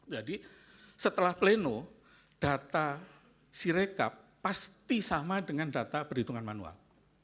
jadi setelah pleno data sirikap pasti sama dengan data berhitungan manual